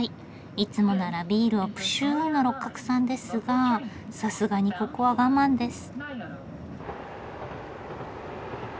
いつもならビールをプシューの六角さんですがさすがにここは我慢です。